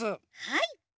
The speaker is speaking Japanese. はい！